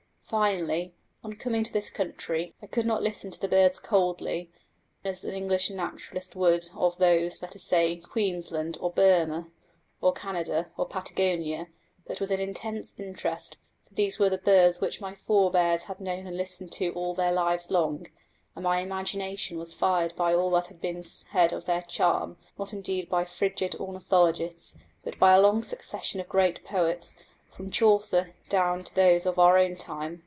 Finally, on coming to this country, I could not listen to the birds coldly, as an English naturalist would to those of, let us say, Queensland, or Burma, or Canada, or Patagonia, but with an intense interest; for these were the birds which my forbears had known and listened to all their lives long; and my imagination was fired by all that had been said of their charm, not indeed by frigid ornithologists, but by a long succession of great poets, from Chaucer down to those of our own time.